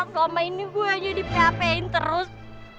selama ini gue hanya di pap in terus